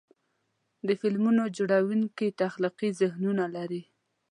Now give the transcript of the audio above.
د فلمونو جوړونکي تخلیقي ذهنونه لري.